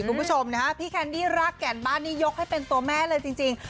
คุณผู้ชมนะฮะพี่แคนดี้รากแก่นบ้านนี้ยกให้เป็นตัวแม่เลยจริง